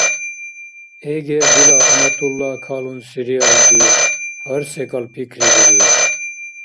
Эгер дила Аматулла калунси риалри, гьар секӀал пикридири.